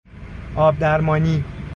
آب درمانی